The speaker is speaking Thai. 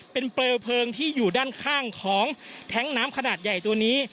เป็นเปลวเพลิงที่อยู่ด้านข้างของแท้งน้ำขนาดใหญ่ตัวนี้